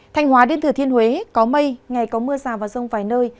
thanh hóa đến thừa thiên huế có mây ngày có mưa rào và rông vài nơi